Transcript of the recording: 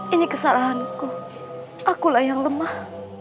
ini kesalahanku akulah yang lemah